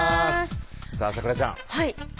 さぁ咲楽ちゃんはい